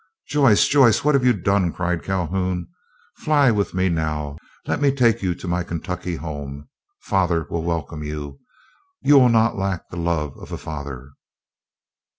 "Joyce, Joyce, what have you done?" cried Calhoun. "Fly with me now! Let me take you to my Kentucky home. Father will welcome you. You will not lack the love of a father."